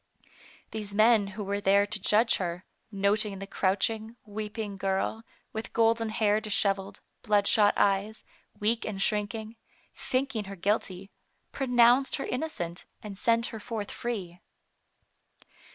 These men who were there to judge her, noting the crouching, weeping girl, with golden hair disheveled, bloodshot eyes, weak and shrinking, thinking her %\}}\\.y^ pronounced her innocent, and sent her forth free.